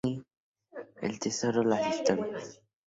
El tesoro, Las historias.